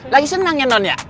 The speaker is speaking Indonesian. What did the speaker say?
lagi senang ya non ya